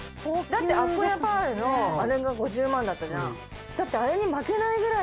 だってアコヤパールのあれが５０万だったじゃん。